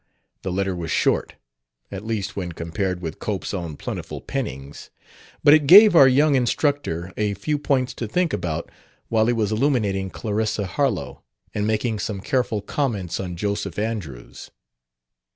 The letter was short at least when compared with Cope's own plentiful pennings; but it gave our young instructor a few points to think about while he was illuminating Clarissa Harlowe and making some careful comments on Joseph Andrews.